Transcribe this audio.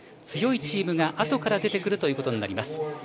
強いチームがあとから出てくることになります。